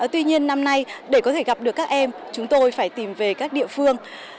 tuy nhiên năm nay để có thể gặp được các em chúng tôi phải tìm về các địa phương